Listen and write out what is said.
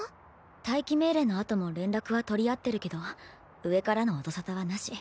待機命令のあとも連絡は取り合ってるけど上からの音沙汰はなし。